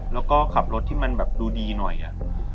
แล้วก็ขับรถที่มันแบบดูดีหน่อยอะ